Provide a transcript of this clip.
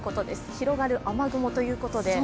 広がる雨雲ということで。